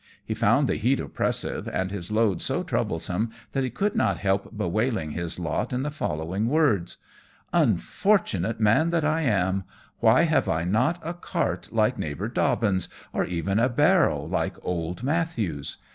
He found the heat oppressive, and his load so troublesome, that he could not help bewailing his lot in the following words "Unfortunate man that I am, why have I not a cart like neighbour Dobbins, or even a barrow like old Mathews?